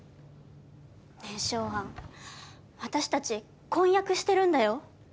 ねえショウアン私たち婚約してるんだよ。